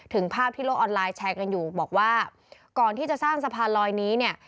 ภาพที่โลกออนไลน์แชร์กันอยู่บอกว่าก่อนที่จะสร้างสะพานลอยนี้เนี่ย